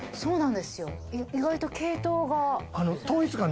意外と系統が。